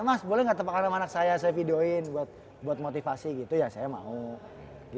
mas boleh gak tempatkan sama anak saya saya videoin buat motivasi gitu ya saya mau gitu